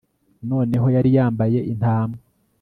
Noneho yari yambaye intama